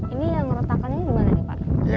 ini yang meretakan ini bagaimana nih pak